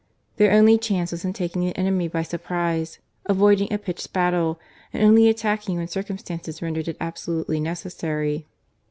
Their only chance was in taking the enemy by surprise, avoiding a pitched battle, and only attacking when circumstances rendered it absolutely necessary.